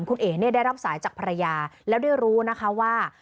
คุณเอ๋เนี่ยได้รับสายจากภรรยาแล้วได้รู้นะคะว่า